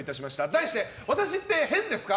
題して、私って変ですか？